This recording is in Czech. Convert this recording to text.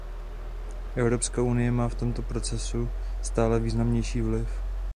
Evropská unie má v tomto procesu stále významnější vliv.